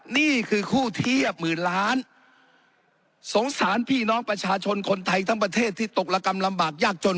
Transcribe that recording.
นี่คือคู่เทียบหมื่นล้านสงสารพี่น้องประชาชนคนไทยทั้งประเทศที่ตกระกำลำบากยากจน